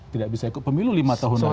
tidak bisa ikut pemilu lima tahun lalu